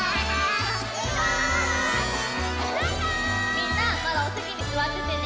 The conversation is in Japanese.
みんなまだおせきにすわっててね。